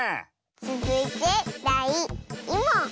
つづいてだい２もん！